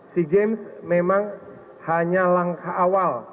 sea games memang hanya langkah awal